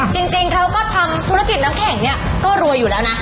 จริงเขาก็ทำธุรกิจน้ำแข็งเนี่ยก็รวยอยู่แล้วนะ